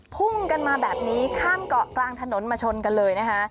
พุ่งกันมาแบบนี้ข้ามเกาะกลางถนนมาชนกันเลยนะคะ